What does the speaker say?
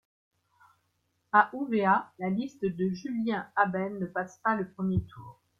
À Ouvéa, la liste de Julien Aben ne passe pas le premier tour.